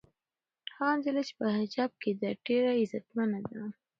هغه نجلۍ چې په حجاب کې ده ډېره عزتمنده ده.